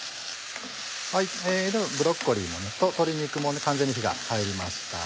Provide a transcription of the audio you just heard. ブロッコリーと鶏肉も完全に火が入りました。